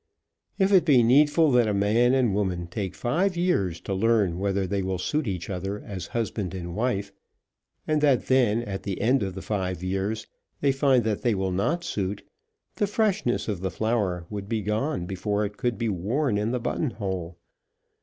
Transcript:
If it be needful that a man and woman take five years to learn whether they will suit each other as husband and wife, and that then, at the end of the five years, they find that they will not suit, the freshness of the flower would be gone before it could be worn in the button hole.